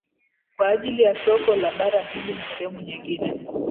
kwa ajili ya soko la bara hindi na sehemu nyengine